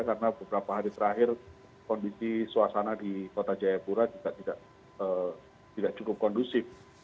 karena beberapa hari terakhir kondisi suasana di kota jayapura juga tidak cukup kondusif